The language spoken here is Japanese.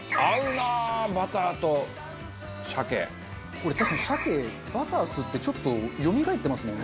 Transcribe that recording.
これ確かにしゃけバター吸ってちょっとよみがえってますもんね。